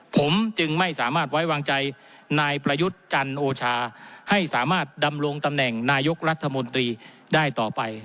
ผมจึงไม่สามารถไว้วางใจนายประยุทธ์จันโอชาให้สามารถดำรงตำแหน่งนายกรัฐมนตรีได้ต่อไป